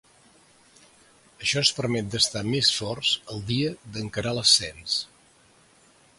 Això ens permet d’estar més forts el dia d’encarar l’ascens.